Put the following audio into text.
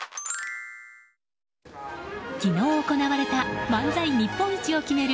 昨日行われた漫才日本一を決める